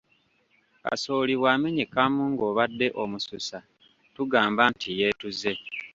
Kasooli bw’amenyekamu ng’obadde omususa tugamba nti yeetuze.